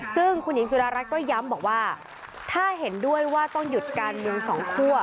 ซึ่งคุณหญิงสุดารัฐก็ย้ำบอกว่าถ้าเห็นด้วยว่าต้องหยุดการเมืองสองคั่ว